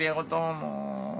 もう。